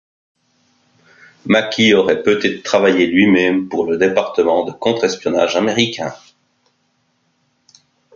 Machii aurait peut-être travailler lui-même pour le département de contre-espionnage américain.